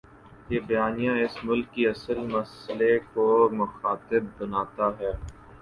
یہ بیانیہ اس ملک کے اصل مسئلے کو مخاطب بناتا ہے۔